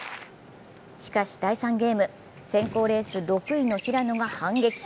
しかし第３ゲーム、選考レース６位の平野が反撃。